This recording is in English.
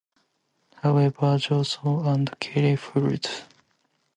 However, Johnson and Kennedy feuded.